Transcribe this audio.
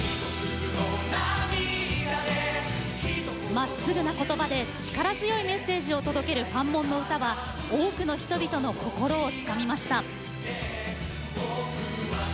まっすぐな言葉で力強いメッセージを届けるファンモンの歌は多くの人々の心をつかみました。